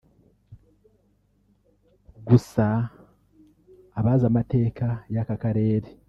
Gusa abazi amateka y’aka karere